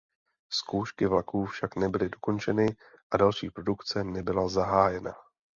Zkoušky vlaku však nebyly dokončeny a další produkce nebyla zahájena.